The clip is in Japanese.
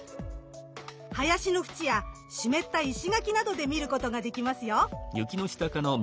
林のふちや湿った石垣などで見ることができますよ。